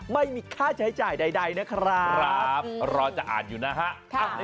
ไม่มีค่าใช้จ่ายใดนะครับรอจะอ่านอยู่นะฮะ